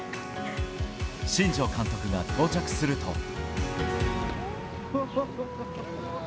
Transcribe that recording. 新庄監督が到着すると。